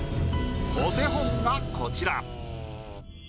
お手本がこちら。